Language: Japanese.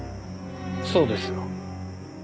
そうですよ。